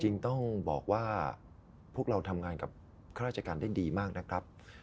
จริงต้องบอกว่าพวกเราทำงานกับข้าราชการได้ดีมากนะครับ